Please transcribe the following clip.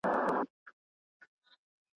ماشومان د پلار لارښوونو له امله پرمختګ کوي.